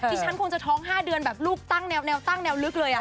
ฉันคงจะท้อง๕เดือนแบบลูกตั้งแนวตั้งแนวลึกเลย